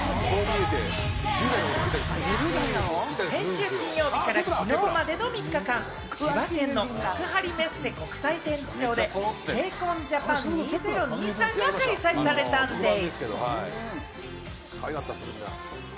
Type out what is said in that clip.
先週金曜日から昨日までの３日間、千葉県の幕張メッセ国際展示場でＫＣＯＮＪＡＰＡＮ２０２３が開催されたんでぃす！